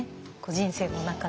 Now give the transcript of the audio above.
人生の中で。